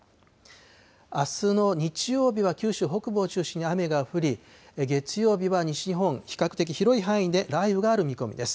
あすの日曜日は九州北部を中心に雨が降り、月曜日は西日本、比較的広い範囲で雷雨がある見込みです。